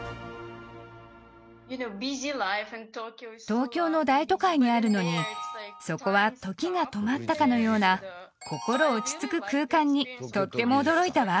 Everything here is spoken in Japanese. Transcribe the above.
東京の大都会にあるのにそこは時が止まったかのような心落ち着く空間にとっても驚いたわ。